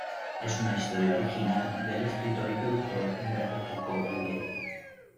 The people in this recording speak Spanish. Es una historia original del escritor y productor Humberto "Kiko" Olivieri.